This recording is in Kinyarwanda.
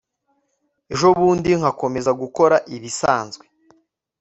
ejobundi ngakomeza gukora ibisanzwe